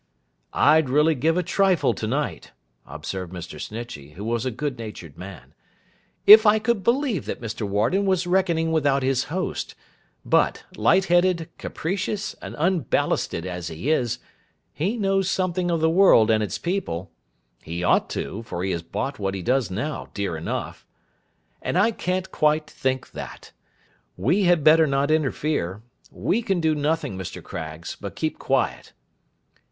'I'd really give a trifle to night,' observed Mr. Snitchey, who was a good natured man, 'if I could believe that Mr. Warden was reckoning without his host; but, light headed, capricious, and unballasted as he is, he knows something of the world and its people (he ought to, for he has bought what he does know, dear enough); and I can't quite think that. We had better not interfere: we can do nothing, Mr. Craggs, but keep quiet.